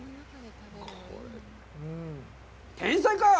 天才かよ！